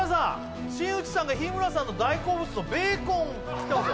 新内さんが日村さんの大好物のベーコンを切ってますよ。